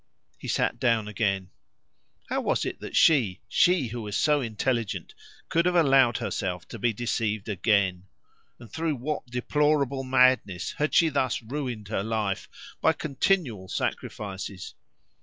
He sat down again. How was it that she she, who was so intelligent could have allowed herself to be deceived again? and through what deplorable madness had she thus ruined her life by continual sacrifices?